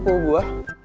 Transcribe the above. oh sepupu lo